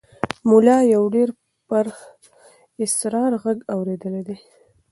ملا یو ډېر پراسرار غږ اورېدلی دی.